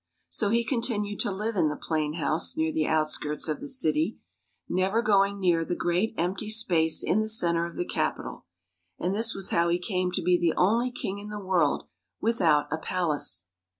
So he continued to live in the plain house near the outskirts of the city, never going near the great empty space in the center of the capital. And this was how he came to be the only king in the world without a palace.